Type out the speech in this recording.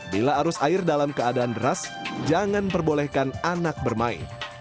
bila arus air dalam keadaan deras jangan perbolehkan anak bermain